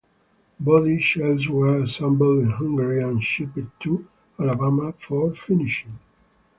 Body shells were assembled in Hungary and shipped to Alabama for finishing.